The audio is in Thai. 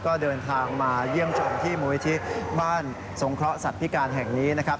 ก็เดินทางมาเยี่ยมชมที่มูลิธิบ้านสงเคราะหสัตว์พิการแห่งนี้นะครับ